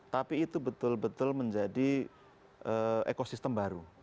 tapi itu betul betul menjadi ekosistem baru